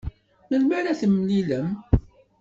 Melmi ara temlilem?